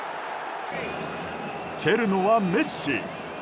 蹴るのはメッシ。